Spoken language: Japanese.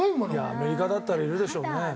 アメリカだったらいるでしょうね。